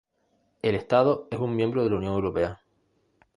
El Estado es un miembro de la Unión Europea.